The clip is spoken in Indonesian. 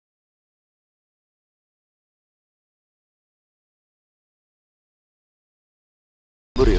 j voggateri dan buri